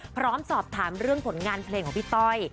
พร้อมสอบถามเรื่องผลงานเพลงของพี่ต้อย